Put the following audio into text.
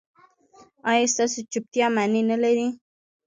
ایا ستاسو چوپتیا معنی نلري؟